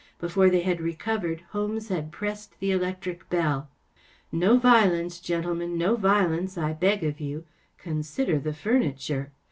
Before they had recovered Holmes had pressed the electric bell. “ No violence, gentlemen‚ÄĒno violence, I beg of you ! Consider the furniture